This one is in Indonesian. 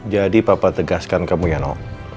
jadi papa tegaskan kamu ya no